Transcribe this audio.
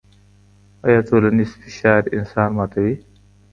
آيا ټولنيز فشار انسان ماتوي؟